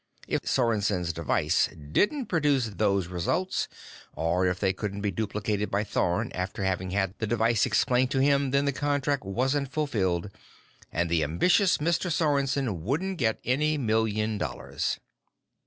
If Sorensen's device didn't produce those results, or if they couldn't be duplicated by Thorn after having had the device explained to him, then the contract wasn't fulfilled, and the ambitious Mr. Sorensen wouldn't get any million dollars.